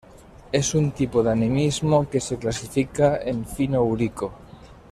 Es un tipo de animismo que se clasifica en Fino-Urico.